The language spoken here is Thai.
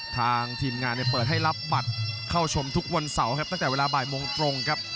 ทางทีมงานเปิดให้รับบัตรเข้าชมทุกวันเสาร์ครับตั้งแต่เวลาบ่ายโมงตรงครับ